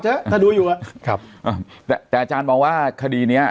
ถ้าถ้าดูอยู่อ่ะครับอ่าแต่แต่อาจารย์มองว่าคดีเนี้ย